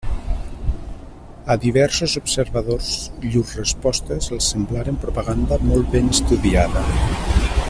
A diversos observadors llurs respostes els semblaren propaganda molt ben estudiada.